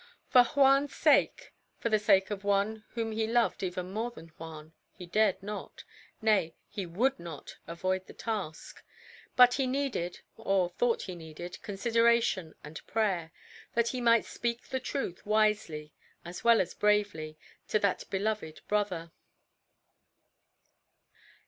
For Juan's sake, for the sake of One whom he loved even more than Juan, he dared not nay, he would not avoid the task. But he needed, or thought he needed, consideration and prayer, that he might speak the truth wisely, as well as bravely, to that beloved brother.